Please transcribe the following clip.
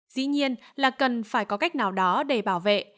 dĩ nhiên là cần phải có cách nào đó để bảo vệ